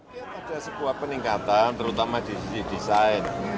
saya melihat ada sebuah peningkatan terutama di sisi desain